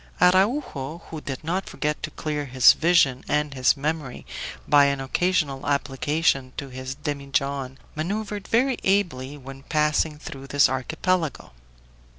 Araujo, who did not forget to clear his vision and his memory by an occasional application to his demijohn, maneuvered very ably when passing through this archipelago.